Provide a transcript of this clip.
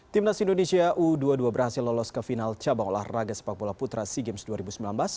timnas indonesia u dua puluh dua berhasil lolos ke final cabang olahraga sepak bola putra sea games dua ribu sembilan belas